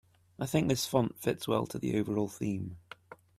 I think this font fits well to the overall theme.